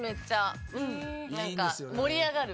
盛り上がる。